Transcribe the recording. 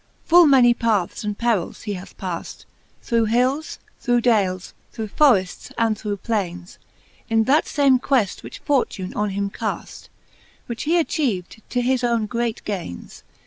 Full many pathes and perils he hath paft, Through hills, through dales, thro' forefts, and thro' plaines, In that fame queft, which fortune on him caft, Which he atchieved to his owne great gaines.